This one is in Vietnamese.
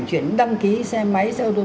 chuyện đăng ký xe máy xe ô tô